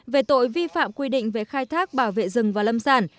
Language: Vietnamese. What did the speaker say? về tội vi phạm quy định về khai thác bảo vệ rừng và lâm sản